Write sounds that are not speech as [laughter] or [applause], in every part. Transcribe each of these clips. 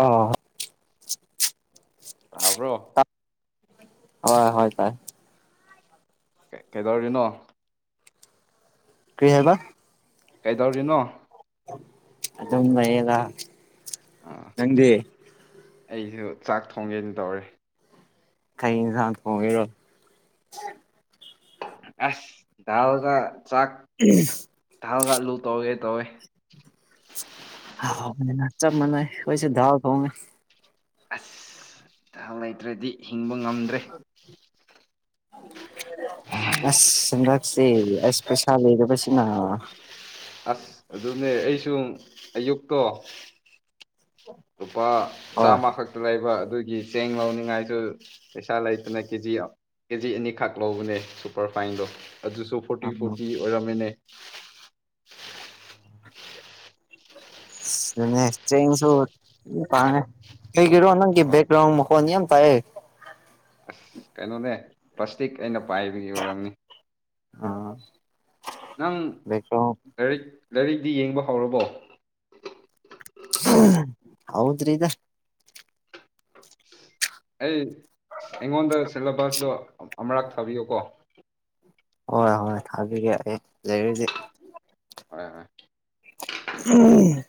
ꯑꯥ ꯍꯥ ꯇꯥꯕ꯭ꯔꯣ ꯑꯥ ꯍꯣꯏ ꯍꯣꯏ ꯇꯥꯏ ꯀꯩꯗꯧꯔꯤꯅꯣ ꯀꯩ ꯍꯥꯏꯕ ꯀꯩꯗꯧꯔꯤꯅꯣ ꯑꯗꯨꯝ ꯂꯩꯌꯦꯗ ꯑꯥ ꯅꯪꯗꯤ ꯑꯩꯁꯨ ꯆꯥꯛ ꯊꯣꯡꯒꯦꯅ ꯇꯧꯔꯤ꯫ ꯀꯩ ꯏꯟꯁꯥꯡ ꯊꫭꯡꯒꯦꯔꯣ ꯑꯁ ꯗꯥꯜꯒ ꯆꯥꯛ [inaudible] ꯗꯥꯜꯒ ꯑꯂꯨ ꯇꯧꯒꯦ ꯇꯧꯋꯦ ꯍꯥꯎꯕꯅꯦꯗ ꯆꯞ ꯃꯥꯟꯅꯩ ꯈꫭꯏꯁꯨ ꯗꯥꯜ ꯊꯣꯡꯉꯦ ꯑꯁ ꯊꯥꯎ ꯂꯩꯇ꯭ꯔꯥꯗꯤ ꯍꯤꯡꯕ ꯉꯝꯗ꯭ꯔꯦ ꯑꯥ ꯑꯁ ꯍꯟꯗꯛ ꯁꯦ ꯑꯁ ꯄꯩꯁꯥ ꯂꯩꯗꯕꯁꯤꯅ ꯑꯁ ꯑꯗꯨꯅꯦ ꯑꯩꯁꯨ ꯑꯌꯨꯛꯇꯣ ꯂꯨꯄꯥ ꯍꯣꯏ ꯆꯥꯝꯃ ꯈꯛꯇ ꯂꯩꯕ ꯑꯗꯨꯒꯤ ꯆꯦꯡ ꯂꯧꯅꯤꯡꯉꯥꯏꯁꯨ ꯄꯩꯁꯥ ꯂꯩꯇꯅ ꯀꯦꯖꯤ ꯑꯥ ꯀꯦꯖꯤ ꯑꯅꯤꯈꯛ ꯂꯧꯕꯅꯦ ꯁꯨꯄꯔ ꯐꯥꯏꯟꯗꯣ ꯑꯗꯨꯁꯨ ꯐꯣꯔꯇꯤ ꯐꯣꯔꯇꯤ ꯑꯣꯏꯔꯝꯃꯦꯅꯦ ꯁꯤꯗꯅꯦ ꯆꯦꯡꯁꯨ ꯗꯨꯝ ꯄꯥꯡꯉꯦ ꯀꯩꯒꯤꯔꯣ ꯅꯪꯒꯤ ꯍꯣꯏ ꯕꯦꯛꯒ꯭ꯔꯥꯎꯟ ꯃꯈꫭꯟ ꯌꯥꯝ ꯇꯥꯏꯌꯦ ꯑꯁ ꯀꯩꯅꯣꯅꯦ ꯄ꯭ꯂꯥꯁꯇꯤꯛ ꯑꯩꯅ ꯄꯥꯏꯕꯒꯤ ꯑꯣꯏꯔꯝꯅꯤ ꯑꯥ ꯅꯪ ꯕꯦꯛꯒ꯭ꯔꯥꯎꯟ ꯂꯥꯏꯔꯤꯛ ꯂꯥꯏꯔꯤꯛꯗꯤ ꯌꯦꯡꯕ ꯍꯧꯔꯕꯣ ꯍꯧꯗꯔꯤꯗ ꯑꯩ ꯑꯩꯉꯣꯟꯗ ꯁꯤꯂꯦꯕꯁꯇꯣ ꯑꯃ ꯑꯃꯨꯔꯛ ꯊꯥꯕꯤꯌꯨꯀꯣ ꯍꯣꯏ ꯍꯣꯏ ꯊꯥꯕꯤꯒꯦ ꯑꯩ ꯂꯩꯔꯗꯤ ꯍꯣꯏ ꯍꯣꯏ ꯎꯝ꯫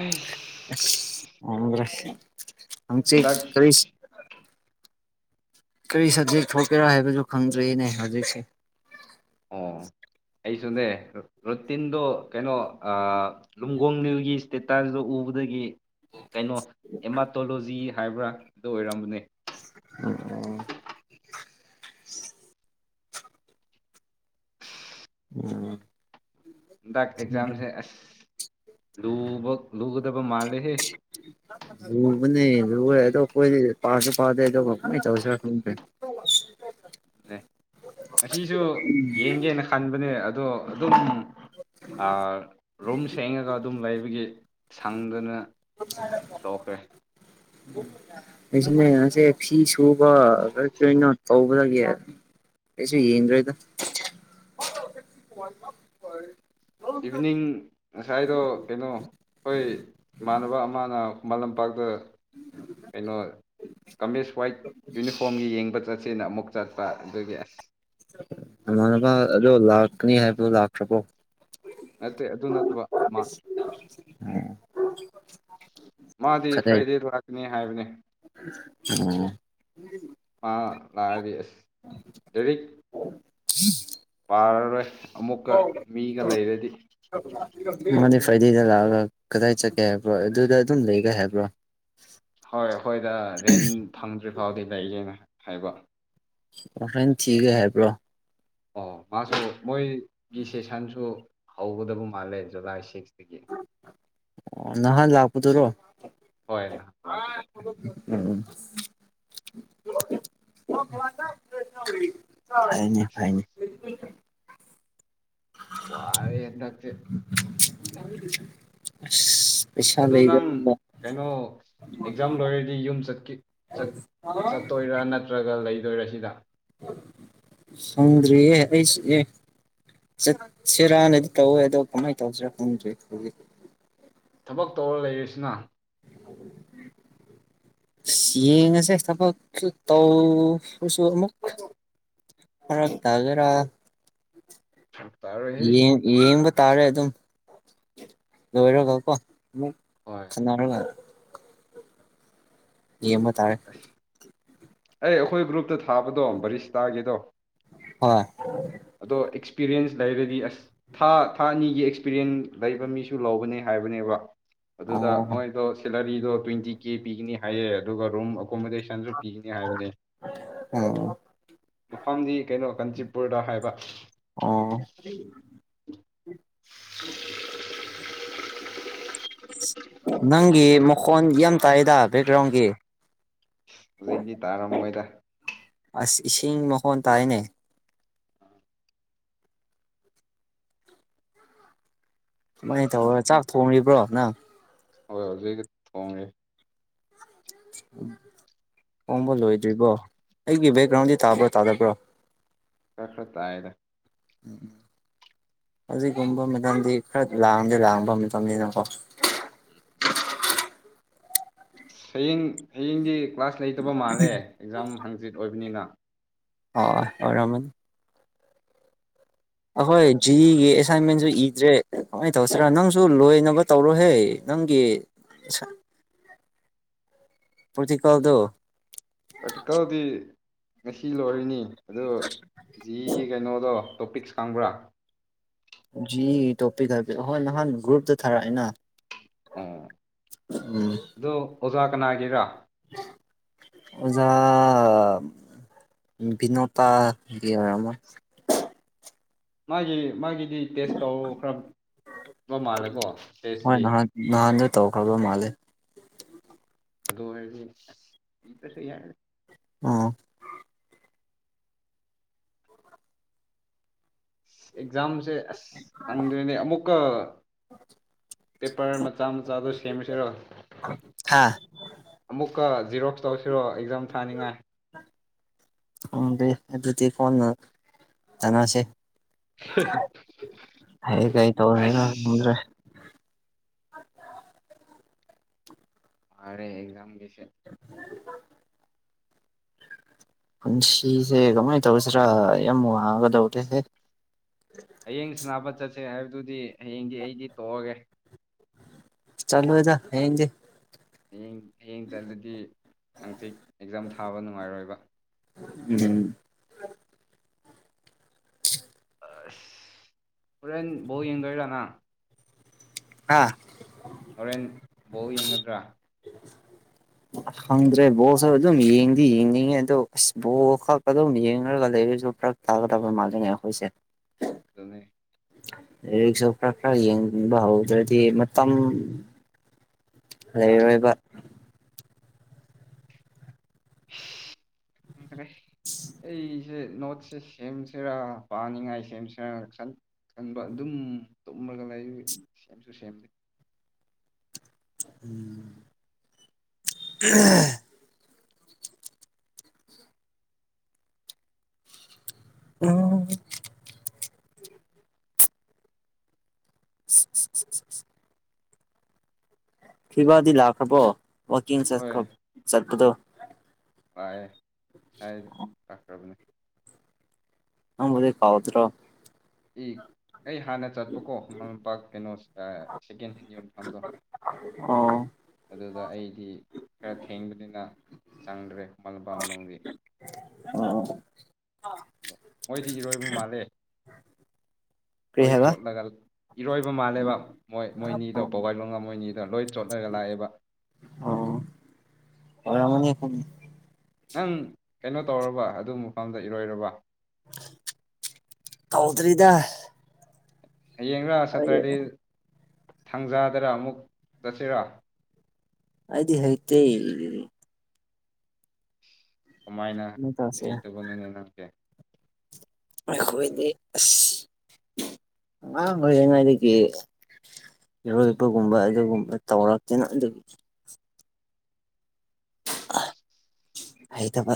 ꯑꯁ ꯑꯁ ꯉꯝꯗ꯭ꯔꯦ ꯍꯡꯆꯤꯠ ꯀꯔꯤꯁ ꯀꯔꯤ ꯁꯕꯖꯦꯛ ꯊꯣꯛꯀꯦꯔꯥ ꯍꯥꯏꯕꯁꯨ ꯈꯪꯗ꯭ꯔꯦꯅꯦ ꯍꯧꯖꯤꯛꯁꯦ ꯑꯣ ꯑꯩꯁꯨꯅꯦ ꯔꯨ ꯔꯨꯇꯤꯟꯗꯣ ꯀꯩꯅꯣ ꯑꯥ ꯂꯨꯝꯒꯣꯡ ꯅꯤꯜꯒꯤ ꯏꯁꯇꯦꯇꯁꯗꫭ ꯎꯕꯗꯒꯤ ꯀꯩꯅꯣ ꯑꯦꯃꯥꯇꯣꯂꯣꯖꯤ ꯍꯥꯏꯕ꯭ꯔꯥ ꯑꯗꯨ ꯑꯣꯏꯔꯝꯕꯅꯦ ꯑꯣ [inaudible] ꯍꯟꯗꯛ ꯑꯦꯛꯖꯥꯝꯁꯦ ꯑꯁ ꯂꯨꯕ ꯂꯨꯒꯗꯕ ꯃꯥꯜꯂꯦꯍꯦ ꯂꯨꯕꯅꯦ ꯂꯨꯔꯦ ꯑꯗꫭ ꯈꫭꯏꯗꯤ ꯄꯥꯁꯨ ꯄꯥꯗꯦ ꯑꯗꯨꯒꯥ ꯀꯃꯥꯏ ꯇꯧꯁꯤꯔ ꯈꯪꯗꯦ ꯫ ꯑꯦ ꯉꯁꯤꯁꯨ ꯌꯦꯡꯒꯦꯅ ꯈꯟꯕꯅꯦ ꯑꯗꯣ ꯑꯗꯨꯝ ꯑꯥ ꯔꯨꯝ ꯁꯦꯡꯉꯒ ꯑꯗꯨꯝ ꯂꯩꯕꯒꯤ ꯁꯪꯗꯅ ꯇꯧꯈ꯭ꯔꯦ [unintelligible] ꯉꯁꯦ ꯐꯤ ꯁꯨꯕ ꯈꯔ ꯀꯅꯣ ꯇꯧꯕꯗꯒꯤ ꯑꯩꯁꯨ ꯌꯦꯡꯗ꯭ꯔꯦꯗ [unintelligible] ꯏꯚꯅꯤꯡ ꯉꯁꯥꯏꯗꯣ ꯀꯩꯅꯣ ꯈꫭꯏ ꯏꯃꯥꯟꯅꯕ ꯑꯃꯅ ꯈꯨꯃꯟ ꯂꯝꯄꯥꯛꯗ ꯀꯩꯅꯣ ꯀꯃꯤꯁ ꯋꯥꯏꯠ ꯌꯨꯅꯤꯐꯣꯝꯒꯤ ꯌꯦꯡꯕꯥ ꯆꯠꯁꯦꯅ ꯑꯃꯨꯛ ꯆꯠꯄ ꯑꯗꯨꯒꯤ ꯑꯁ ꯏꯃꯥꯟꯅꯕ ꯑꯗꯣ ꯂꯥꯛꯀꯅꯤ ꯍꯥꯏꯕꯗꯣ ꯂꯥꯛꯈ꯭ꯔꯥꯕꯣ ꯅꯠꯇꯦ ꯑꯗꯨ ꯅꯠꯇꯕ ꯑꯃ ꯑꫭ ꯃꯥꯗꯤ ꯐ꯭ꯔꯥꯏꯗꯦꯗ ꯂꯥꯛꯀꯅꯤ ꯍꯥꯏꯕꯅꯦ ꯑꫭ [inaudible] ꯃꯥ ꯂꯥꯛꯑꯗꯤ ꯑꯁ ꯗꯥꯏꯔꯤꯛ ꯄꯥꯔꯔꯣꯏ ꯑꯃꯨꯛꯀ ꯃꯤꯒ ꯂꯩꯔꯗꯤ ꯃꯥꯗꯤ ꯐ꯭ꯔꯥꯏꯗꯦꯗ ꯂꯥꯛꯑꯒ ꯀꯗꯥꯏ ꯆꯠꯀꯦ ꯍꯥꯏꯕ꯭ꯔꯣ ꯑꯗꯨꯗ ꯑꯗꯨꯝ ꯂꯩꯒꯦ ꯍꯥꯏꯕ꯭ꯔꯣ ꯍꯣꯏ ꯑꯈꯣꯏꯗ ꯔꯦꯟ ꯐꯪꯗ꯭ꯔꯤ ꯐꯥꯎꯗꯤ ꯂꯩꯌꯦꯅ ꯍꯥꯏꯕ ꯑꯣ ꯔꯦꯟ ꯊꯤꯒꯦ ꯍꯥꯏꯕ꯭ꯔꯣ ꯑꯣ ꯃꯥꯁꯨ ꯃꯣꯏꯒꯤ ꯁꯦꯁꯟꯁꯨ ꯍꯧꯒꯗꯕ ꯃꯥꯜꯂꯦ ꯖꯨꯂꯥꯏ ꯁꯤꯛꯁꯇꯒꯤ ꯑꯣ ꯅꯍꯥꯟ ꯂꯥꯛꯄꯗꯨꯔꯣ ꯍꯣꯏ ꯅꯍꯥꯟ ꯂꯥꯛ ꯕꯥꯏ ꯊꯧꯗꫭꯛꯄꯤꯌꫭ ꯎꯝ ꯎꯝ [unintelligible] ꯀꯔꯤ ꯐꯩꯅꯦ ꯐꯩꯅꯦ ꯋꯥꯔꯦ ꯍꯟꯗꯛꯇꯤ ꯑꯁ ꯄꯩꯁꯥ ꯑꯗꯨ ꯅꯪ ꯂꯩꯗꯕꯅꯤꯅ ꯀꯩꯅꯣ ꯑꯦꯛꯖꯥꯝ ꯂꯣꯏ ꯇꯤ ꯌꯨꯝ ꯆꯠꯀꯤ ꯆꯠ ꯆꯠꯇꯣꯏꯔꯥ ꯅꯠꯇ꯭ꯔꯒ ꯂꯩꯗꯣꯏꯔꯥ ꯁꯤꯗ ꯁꯪꯗ꯭ꯔꯤꯌꯦ ꯑꯩꯁ ꯑꯦ ꯆꯠꯁꯤꯔꯅꯗꯤ ꯇꯧꯋꯦ ꯑꯗꯣ ꯀꯃꯥꯏ ꯇꯧꯁꯤꯔꯥ ꯈꯪꯗ꯭ꯔꯤ ꯍꯧꯖꯤꯛ ꯊꯕꯛ ꯇꯧꯔ ꯂꯩꯔꯁꯤꯅ [unintelligible] ꯌꯦꯡꯉꯁꯦ ꯊꯕꯛꯁꯨ ꯇꯧꯕꯁꯨ ꯑꯃꯨꯛ ꯐꯥꯔꯛ ꯇꯥꯒꯦꯔ ꯐꯔꯛ ꯇꯥꯔꯣꯏꯍꯦ ꯌꯦꯡ ꯌꯦꯡꯕ ꯇꯥꯔꯦ ꯑꯗꯨꯝ ꯂꯣꯏꯔꯒ ꯀꯣ ꯑꯃꯨꯛ ꯍꯣꯏ ꯈꯟꯅꯔꯒ ꯌꯦꯃ ꯇꯥꯔꯦ ꯑꯩ ꯑꯈꯣꯏ ꯒ꯭ꯔꯨꯞꯇ ꯊꯥꯕꯗꯣ ꯕꯔꯤꯁ ꯇꯥꯒꯤꯗꯣ ꯍꯣꯏ ꯑꯗꯣ ꯑꯦꯛꯁꯄꯤꯔꯦꯟꯁ ꯂꯩꯔꯗꯤ ꯑꯁ ꯊꯥ ꯊꯥ ꯑꯅꯤꯒꯤ ꯄꯤꯔꯤꯟ ꯂꯩꯕ ꯃꯤꯁꯨ ꯂꯧꯒꯅꯤ ꯍꯥꯏꯕꯅꯦꯕ ꯑꯗꯨꯗ ꯑꯣ ꯃꯣꯏ ꯗꯣ ꯁꯦꯂꯔꯤꯗꯣ ꯇ꯭ꯋꯦꯟꯇꯤ ꯀꯦ ꯄꯤꯒꯅꯤ ꯍꯥꯏꯌꯦ ꯑꯗꯨꯒ ꯔꯨꯝ ꯑꯣꯀꯣꯃꯗꯦꯁꯟꯁꯨ ꯄꯤꯅꯤ ꯍꯥꯏꯕꯅꯦ ꯑꯣ ꯃꯐꯝꯗꯤ ꯀꯩꯅꯣ ꯀꯥꯟꯆꯤꯄꯨꯔꯗ ꯍꯥꯏꯕ ꯑꯣ ꯅꯪꯒꯤ ꯃꯈꯣꯟ ꯌꯥꯝ ꯇꯥꯏꯗ ꯕꯦꯛꯒ꯭ꯔꯥꯎꯟꯒꯤ ꯍꯧꯖꯤꯛ ꯗꯤ ꯇꯥꯔꯝꯃꯣꯏꯗ ꯑꯁ ꯏꯁꯤꯡ ꯃꯈꯣꯟ ꯇꯥꯏꯅꯦ ꯑꯥ ꯀꯃꯥꯏꯟ ꯇꯧꯔ ꯆꯥꯛ ꯊꯣꯡꯔꯤꯕ꯭ꯔꯣ ꯅꯪ ꯍꯣꯏ ꯍꯧꯖꯤꯛ [unintelligible] ꯊꯣꯡꯔꯦ ꯄꯣꯝꯕ ꯂꯣꯏꯗ꯭ꯔꯤꯕꯣ ꯑꯩꯒꯤ ꯕꯦꯛꯒ꯭ꯔꯥꯎꯟꯗꯤ ꯇꯥꯕ꯭ꯔꯥ ꯇꯥꯗꯕ꯭ꯔꯣ ꯈꯔ ꯈꯔ ꯇꯥꯏꯗ ꯍꯧꯖꯤꯛꯒꯨꯝꯕ ꯃꯇꯝꯗꯤ ꯈꯔ ꯂꯥꯡꯗꯦ ꯂꯥꯡꯕ ꯃꯇꯝꯅꯤꯅꯀꯣ ꯍꯌꯤꯡ ꯍꯌꯤꯡꯗꯤ ꯀ꯭ꯂꯥꯁ ꯂꯩꯇꯕ ꯃꯥꯜꯂꯦ ꯑꯦꯛꯖꯥꯝ ꯍꯪꯆꯤꯠ ꯑꯣꯏꯕꯅꯤꯅ ꯍꯣꯏ ꯑꯣꯏꯔꯃꯟ ꯑꯩꯈꯣꯏ ꯖꯤꯔꯤꯒꯤ ꯑꯦꯁꯥꯏꯟꯃꯦꯟꯁꯨ ꯏꯗ꯭ꯔꯦ ꯀꯃꯥꯏꯅ ꯇꯧꯁꯤꯔ ꯅꯪꯁꯨ ꯂꯣꯏꯅꯕ ꯇꯧꯔꯣꯍꯦ ꯅꯪꯒꯤ ꯁꯥ ꯄ꯭ꯔꯣꯇꯤꯀꯥꯜꯗꯣ ꯄꯔꯦꯛꯇꯤꯀꯜꯗꯤ ꯉꯁꯤ ꯂꯣꯏꯔꯤꯅꯤ ꯑꯗꯨ ꯖꯤꯒꯤ ꯀꯩꯅꯣꯗꯣ ꯇꯣꯄꯤꯛꯁ ꯈꯪꯕ꯭ꯔꯥ ꯖꯤ ꯇꯣꯄꯤꯛ ꯍꯥꯏꯕꯗꯤ ꯍꯣꯏ ꯅꯍꯥꯟ ꯒ꯭ꯔꯨꯞꯇ ꯊꯥꯔꯛꯑꯦꯅ ꯑꯣ ꯎꯝ ꯑꯗꯣ ꯑꯣꯖꯥ ꯀꯅꯥꯒꯤꯔꯥ ꯑꯣꯖꯥꯥ ꯕꯤꯅꯣꯇꯥ ꯒꯤꯑꯣꯏꯔꯝꯃꯣꯏ ꯃꯥꯒꯤ ꯃꯥꯒꯤꯗꯤ ꯇꯦꯁ ꯇꯧ ꯈꯔꯕ ꯃꯥꯜꯂꯦꯀꯣ ꯍꯣꯏ ꯇꯦꯁꯁꯤꯗꯤ ꯅꯍꯥꯟ ꯅꯍꯥꯟꯗꯣ ꯇꯧꯈ꯭ꯔꯕ ꯃꯥꯂꯦ ꯑꯗꯨ ꯍꯥꯏꯔꯗꯤ ꯏ ꯄꯁꯨ ꯌꯥꯏꯗ ꯑꯣ ꯑꯦꯛꯖꯥꯝꯁꯦ ꯑꯁ ꯍꯪꯗ꯭ꯔꯦꯅꯦ ꯑꯃꯨꯛꯀ ꯄꯦꯄꯔ ꯃꯆꯥ ꯃꯆꯥꯗꯣ ꯁꯦꯝꯁꯤꯔꯣ ꯍꯥꯥ ꯑꯃꯨꯛꯀ ꯖꯤꯔꯣꯛꯁ ꯇꯧꯁꯤꯔꯣ ꯑꯦꯛꯖꯥꯝ ꯊꯥꯅꯤꯡꯉꯥꯏ ꯈꯪꯗꯦ ꯑꯗꯨꯗꯤ ꯀꯣꯟꯅ ꯇꯅꯥꯁꯦ ꯍꯦ ꯍꯦ ꯍꯌꯦꯡ ꯀꯩ ꯇꯧꯗꯣꯏꯅꯦ ꯈꯪꯗ꯭ꯔꯦ ꯋꯥꯔꯦ ꯑꯦꯛꯖꯝꯒꯤꯁꯦ [unintelligible] ꯄꯨꯟꯁꯤꯁꯦ ꯀꯃꯥꯏ ꯇꯧꯁꯤꯔꯥ ꯌꯥꯝ ꯋꯥꯒꯥ ꯒꯗꯧꯗꯦꯍꯦ ꯍꯌꯦꯡ ꯁꯅꯥꯄ ꯆꯠꯁꯦ ꯍꯥꯏꯕꯗꯨꯗꯤ ꯍꯌꯦꯡꯗꯤ ꯑꯩꯗꯤ ꯇꯣꯛꯑꯒꯦ ꯆꯂꯣꯏꯗ ꯍꯌꯦꯡꯗꯤ ꯍꯌꯦꯡ ꯍꯌꯦꯡ ꯆꯠꯂꯗꯤ ꯍꯥꯡꯆꯤ ꯑꯦꯛꯖꯥꯝ ꯊꯥꯕ ꯅꯨꯡꯉꯥꯏꯔꯣꯏꯕ ꯎꯝ ꯑꯁ ꯍꯣꯔꯦꯟ ꯕꯣꯜ ꯌꯦꯡꯗꯣꯏꯔꯥꯅ ꯍꯥꯥ ꯍꯣꯔꯦꯟ ꯕꯣꯜ ꯌꯦꯡꯒꯗ꯭ꯔꯥ ꯍꯪꯗ꯭ꯔꯦ ꯕꯣꯁꯨ ꯑꯗꯨꯝ ꯌꯦꯡꯗꯤ ꯌꯦꯡꯅꯤꯡꯉꯦ ꯑꯗꯣ ꯑꯁ ꯕꯣ ꯈꯛ ꯑꯗꯨꯝ ꯌꯦꯡꯉꯒ ꯂꯩꯔꯁꯨ ꯐꯔꯛ ꯇꯥꯒꯗꯕꯥ ꯃꯜꯂꯦꯅꯦ ꯑꯈꯣꯢꯁꯦ ꯑꯗꯨꯅꯅꯦ ꯔꯤꯛꯁꯣ ꯈꯔ ꯈꯔ ꯌꯦꯡꯅꯤꯡꯕ ꯍꯧꯗ꯭ꯔꯗꯤ ꯃꯇꯝ ꯂꯩꯔꯣꯢꯕ ꯔꯦ ꯑꯩ ꯁꯤ ꯅꯣꯠꯁꯦ ꯁꯦꯝꯁꯤꯔꯥ ꯄꯥꯅꯤꯡꯉꯥꯏ ꯁꯦꯝꯁꯤꯔꯥ ꯁꯟ ꯈꯟꯕ ꯑꯗꯨꯝ ꯇꯨꯝꯃꯒ ꯂꯩ ꯁꯦꯝꯁꯨ ꯁꯦꯝꯗꯦ [unintelligible] [unintelligible] [unintelligible] ꯐꯤꯕꯥꯗꯤ ꯂꯥꯛꯈ꯭ꯔꯕꯣ ꯋꯥꯛꯀꯤꯡꯈ ꯆꯠꯄꯗꯣ ꯉꯥꯑꯦ ꯁꯥꯏ ꯇꯈ꯭ꯔꯕꯅꯦ ꯅꯪꯕꯨꯗꯩ ꯀꯥꯎꯗ꯭ꯔꯣ ꯏꯛ ꯑꯩ ꯍꯥꯟꯅ ꯆꯠꯄꯀꯣ ꯃꯃꯥꯝꯄꯥꯛ ꯀꯩꯅꯣꯁ ꯁꯦꯀꯦꯟ ꯍꯦꯟ ꯌꯣꯟ ꯑꯣ ꯑꯗꯨꯗ ꯑꯩꯗꯤ ꯈꯔ ꯊꯦꯡꯕꯅꯤꯅ ꯆꯪꯗ꯭ꯔꯦ ꯈꯨꯃꯜ ꯂꯄꯥꯝ ꯃꯅꯨꯡꯗꯤ ꯑꯣꯑꯣ ꯃꯣꯏꯗꯤ ꯏꯔꯣꯏꯕ ꯃꯥꯜꯂꯦ ꯀꯔꯤ ꯂꯣꯏ ꯍꯥꯏꯕ ꯆꯣꯠꯂꯒꯜ ꯏꯔꯣꯏꯕ ꯃꯥꯜꯂꯦꯕ ꯃꯣꯏ ꯃꯣꯏꯅꯤꯗꯣ ꯑꯣ ꯄꯣꯕꯥꯏꯕꯒ ꯃꯣꯏꯅꯤꯗꯣ ꯂꯣꯏ ꯆꯣꯠꯂꯒ ꯂꯥꯛꯑꯦꯕ ꯑꯣꯏꯔꯝꯒꯅꯤ ꯅꯪ ꯀꯩꯅꯣ ꯇꯧꯔꯕ ꯑꯗꯨ ꯃꯐꯝꯗ ꯏꯔꯣꯏꯔꯕ ꯀꯥꯎꯗ꯭ꯔꯤꯗ ꯍꯌꯦꯡꯔꯥ ꯁꯇꯔꯗꯦ ꯊꯥꯡꯖꯥꯗꯔꯥ ꯑꯃꯨꯛ ꯆꯠꯁꯤꯔ ꯑꯗꯤ ꯍꯩꯇꯦ ꯀꯃꯥꯏꯅ ꯀꯃꯥꯏ ꯇꯧꯁꯤꯔ ꯍꯩꯇꯕꯅꯅꯦ ꯅꯪꯁꯦ ꯑꯩꯈꯣꯏꯗꯤ ꯑꯁ ꯑꯉꯥꯡ ꯑꯣꯏꯔꯤꯉꯩꯗꯒꯤ ꯏꯔꯣꯏꯕꯒꯨꯝꯕ ꯑꯗꯨꯒꯨꯝꯕ ꯇꯧꯔꯛꯇꯦꯅ ꯑꯗꯨꯒꯤ ꯍꯩꯇꯥꯕ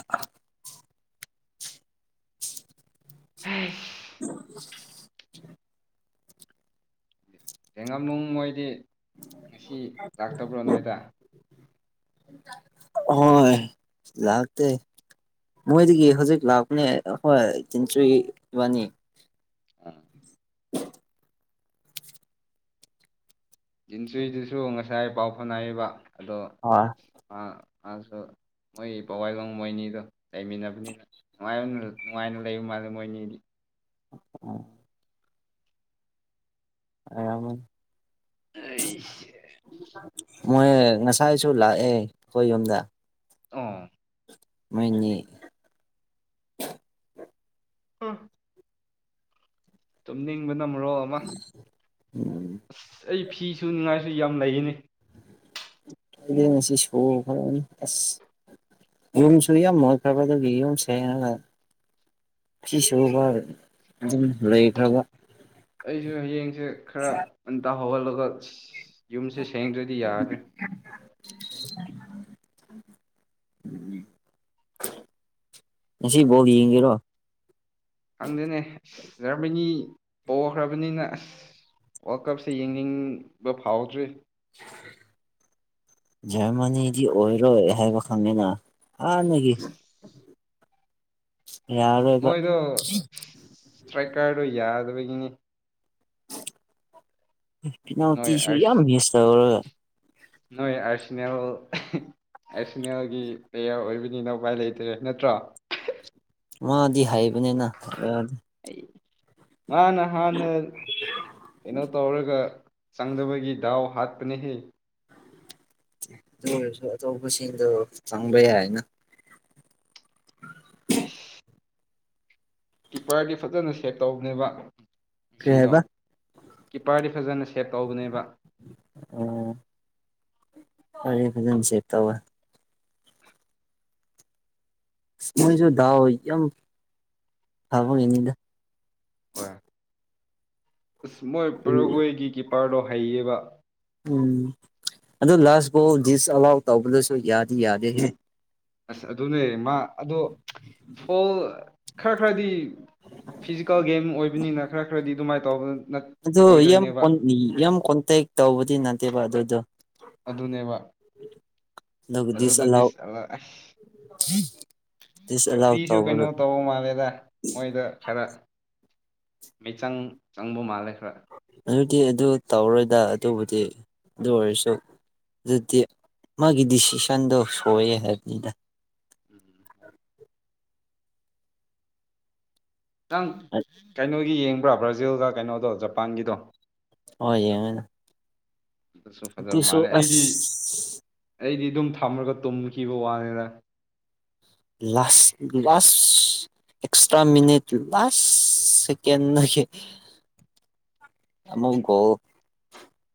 [inaudible] ꯍꯥꯏꯁ [inaudible] ꯊꯦꯡꯉꯝꯅꯨꯡ ꯃꯣꯏꯗꯤ ꯉꯁꯤ ꯂꯥꯛꯇꯕ꯭ꯔꯣ ꯅꯣꯏꯗ [inaudible] ꯍꯣꯏ ꯂꯥꯛꯇꯦ ꯃꯣꯏꯗꯒꯤ ꯍꯧꯖꯤꯛ ꯂꯥꯛꯄꯅꯦ ꯍꯣꯏ ꯆꯤꯟꯆꯨꯏ ꯏꯕꯅꯤ ꯎꯝ [unintelligible] ꯖꯤꯟꯆꯨꯏꯗꯨꯁꯨ ꯉꯁꯥꯏ ꯄꯥꯎ ꯐꯥꯎꯅꯌꯦꯕ ꯑꯗꯣ ꯑꯣꯋꯥ ꯑꯥ ꯃꯁꯨ ꯃꯣꯏ ꯄꯋꯥꯏꯂꯣꯡ ꯃꯣꯏꯅꯤꯗꯣ ꯂꯩꯃꯤꯟꯅꯕꯅꯤꯅ ꯅꯨꯡꯉꯥꯏ ꯅꯨꯡꯉꯥꯏꯅ ꯂꯩꯕ ꯃꯥꯜꯂꯦ ꯃꯣꯏꯅꯤꯗꯤ ꯑ ꯎꯝ ꯑ ꯌꯥꯃꯟ ꯑꯩꯁ ꯃꯣꯏ ꯉꯁꯥꯏꯁꯨ ꯂꯥꯛꯑꯦ ꯑꯩꯈꯣꯏ ꯌꯨꯝꯗ ꯑꯣ ꯃꯣꯏꯅꯤ ꯎꯝ ꯇꯨꯝꯅꯤꯡꯕꯅ ꯃꯔꯣꯜ ꯑꯃ ꯎꯝ ꯑꯁ ꯑꯩ ꯐꯤꯁꯨ ꯉꯥꯏꯁꯨ ꯌꯥꯝ ꯂꯩꯌꯦꯅꯤ ꯑꯩꯗꯤ ꯉꯁꯤ ꯁꯨꯒꯦ ꯐꯔꯕ ꯑꯁ ꯌꯨꯝꯁꯨ ꯌꯥꯝ ꯃꯣꯏꯈ꯭ꯔꯕ ꯑꯗꯨꯒꯤ ꯌꯨꯝ ꯁꯦꯡꯉꯒ ꯐꯤ ꯁꯨꯕ ꯑꯗꯨꯝ ꯂꯩꯈ꯭ꯔꯕ ꯑꯩꯁꯨ ꯍꯌꯦꯡꯁꯦ ꯈꯔ ꯑꯟꯇ ꯍꯧꯒꯜꯂꯒ ꯌꯨꯝꯁꯦ ꯁꯦꯡꯗ꯭ꯔꯗꯤ ꯌꯥꯗ꯭ꯔꯦ [unintelligible] ꯉꯁꯤ ꯕꯣꯜ ꯌꯦꯡꯒꯦꯔꯣ ꯈꯪꯗꯦꯅꯦ ꯑꯁ ꯖꯔꯃꯅꯤ ꯄꯣꯈ꯭ꯔꯕꯅꯤꯅ ꯑꯁ ꯋꯥꯔꯜ ꯀꯞꯁꯦ ꯌꯦꯡꯅꯤꯡꯕ ꯐꯥꯎꯗ꯭ꯔꯤ [unintelligible] ꯖꯔꯃꯅꯤꯗꯤ ꯑꯣꯏꯔꯣꯏ ꯍꯥꯏꯕ ꯈꯪꯉꯦꯅ ꯍꯥꯟꯅꯒꯤ [unintelligible] ꯌꯥꯔꯣꯏꯕ ꯃꯣꯏꯗꯣ ꯁꯇ꯭ꯔꯥꯏꯀꯔꯗꯣ ꯌꯥꯗꯕꯒꯤꯅꯤ ꯅꯣꯏ ꯐꯤꯅꯥꯜꯇꯤꯁꯨ ꯑꯁ ꯌꯥꯝ ꯍꯦꯁ ꯇꯧꯔꯒ ꯅꯣꯏ ꯑ꯭ꯔꯁꯤꯅꯦꯜ ꯍꯥ ꯑꯦꯁꯅꯦꯜꯒꯤ ꯄ꯭ꯂꯦꯌꯔ ꯑꯣꯏꯕꯅꯤꯅ ꯎꯄꯥꯏ ꯂꯩꯇ꯭ꯔꯦ ꯅꯠꯇ꯭ꯔꯣ ꯃꯥꯗꯤ ꯍꯥꯏꯌꯦꯕꯅꯤꯅ ꯌꯥꯗꯩ ꯑꯩ ꯃꯥꯅ ꯍꯥꯟꯅ ꯀꯩꯅꯣ ꯇꯧꯔꯒ ꯆꯪꯗꯕꯒꯤ ꯗꯥꯎ ꯍꯥꯠꯄꯅꯦ ꯍꯦ ꯇꯣ ꯑꯣꯏꯔꯁꯨ ꯑꯇꯣꯞꯄꯁꯤꯡꯗꯣ ꯆꯪꯕ ꯌꯥꯏꯅ ꯏꯁ ꯀꯤꯞꯄ꯭ꯔꯗꯤ ꯐꯖꯅ ꯁꯦꯞ ꯇꯧꯕꯅꯦꯕ ꯀꯔꯤ ꯁꯤꯗꯣ ꯍꯥꯏꯕ ꯀꯤꯞꯄꯔꯗꯤ ꯐꯖꯅ ꯁꯦꯞ ꯇꯧꯕꯅꯦꯕ ꯎ ꯐꯔꯦ ꯐꯖꯅ ꯁꯦ ꯇꯧꯋꯦ ꯃꯣꯏꯁꯨ ꯗꯥꯎ ꯌꯥꯝ ꯐꯕꯒꯤꯅꯤꯗ ꯍꯣꯏ ꯑꯁ ꯃꯣꯏ ꯄ꯭ꯔꯒꯣꯏꯒꯤ ꯀꯤꯄ꯭ꯔꯗꯣ ꯍꯩꯌꯦꯕ ꯎꯝ ꯑꯗꯨ ꯂꯥꯁ ꯐꯥꯎ ꯗꯤꯁꯑꯂꯥꯎ ꯇꯧꯕꯗꯨꯁꯨ ꯌꯥꯗꯤ ꯌꯥꯗꯦ ꯑꯁ ꯑꯗꯨꯅꯦ ꯃꯥ ꯑꯗꯣ ꯐꯣꯜ ꯈꯔ ꯈꯔꯗꯤ ꯐꯤꯖꯤꯀꯦꯜ ꯒꯦꯝ ꯑꯣꯏꯕꯅꯤꯅ ꯈꯔ ꯈꯔꯗꯤ ꯑꯗꯨꯃꯥꯏꯅ ꯇꯧꯕ ꯅꯠ ꯑꯗꯨ ꯌꯥꯝ ꯑꯣꯏꯗꯣꯏꯅꯦꯕ ꯀꯣꯟꯂꯤ ꯌꯥꯝ ꯀꯣꯟꯇꯦꯛ ꯇꯧꯕꯗꯤ ꯅꯠꯇꯦꯕ ꯑꯗꯨꯗꯣ ꯑꯗꯨꯅꯦꯕ ꯑꯗꯨ ꯗꯤꯁ ꯑꯂꯥꯎ ꯑꯁ ꯗꯤꯁ ꯑꯂꯥꯎ ꯔꯤꯐ꯭ꯔꯤꯁꯨ ꯀꯩꯅꯣ ꯇꯧꯕ ꯃꯥꯜꯂꯦꯗ ꯃꯣꯏꯗ ꯈꯔ ꯃꯤꯆꯪ ꯆꯪꯕ ꯃꯥꯜꯂꯦ ꯈꯔ ꯑꯗꯨꯗꯤ ꯑꯗꯨ ꯇꯧꯔꯣꯏꯗ ꯑꯗꯨꯕꯨꯗꯤ ꯑꯗꯨ ꯑꯣꯏꯔꯁꯨ ꯑꯗꯨꯗꯤ ꯃꯥꯒꯤ ꯗꯤꯁꯤꯁꯟꯗꯣ ꯁꯣꯏꯑꯦ ꯍꯥꯏꯕꯅꯤꯗ ꯎꯝ ꯎꯝ ꯎꯝ ꯅꯪ ꯀꯩꯅꯣꯒꯤ ꯌꯦꯡꯕ꯭ꯔꯥ ꯕ꯭ꯔꯥꯖꯤꯜꯗ ꯀꯩꯅꯣꯗꯣ ꯖꯄꯥꯟꯒꯤꯗꯣ ꯍꯣꯏ ꯌꯦꯡꯉꯦꯅ ꯑꯗꯨꯁꯨ ꯐꯖꯕ ꯃꯥꯜꯂꯦ ꯑꯩꯗꯤ ꯑꯁ ꯑꯩꯗꯤ ꯑꯗꯨꯝ ꯊꯝꯃꯔꯒ ꯇꯨꯝꯈꯤꯕ ꯋꯥꯅꯤꯅ ꯂꯥꯁ ꯂꯥꯁ ꯑꯦꯛꯁꯇ꯭ꯔꯥ ꯃꯤꯅꯤꯠ ꯂꯥꯁ ꯁꯀꯦꯟ ꯅꯣꯏꯈꯤ ꯑꯃꯨꯛ ꯒꯣꯜ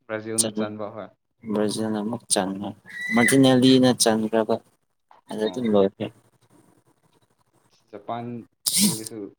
ꯕ꯭ꯔꯥꯖꯤꯜꯅ ꯆꯥꯟꯕ ꯍꯣꯏ ꯕ꯭ꯔꯖꯤꯟ ꯑꯃꯨꯛ ꯆꯪꯉꯦ ꯃꯗꯤꯅꯦꯂꯤꯅ ꯆꯟꯈ꯭ꯔꯕ ꯑꯗꯨ ꯑꯣ ꯑꯗꯨꯝ ꯂꯣꯏꯈ꯭ꯔꯦ ꯖꯄꯥꯟꯁꯤꯡꯗꯁꯨ